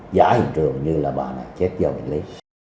giả hình trường như là bọn này chết do bệnh lý